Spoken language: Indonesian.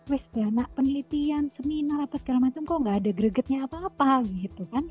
wess ya nak penelitian seminar apa segala macam kok nggak ada gregetnya apa apa gitu kan